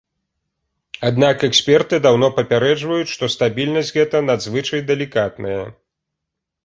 Аднак эксперты даўно папярэджваюць, што стабільнасць гэта надзвычай далікатная.